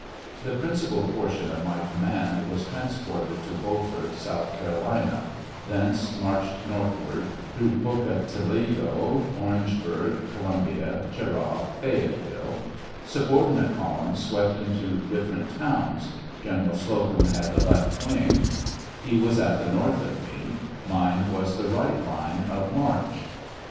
The principal portion of my command was trans ported to Beaufort, South Carolina; thence [marched] northward through Pocotaligo, Orangeburg, Columbia, Cheraw, Payetteville ; subordinate columns swept into different towns; General Slocum had the left wing; he was at the north of me ; mine was the right line of march.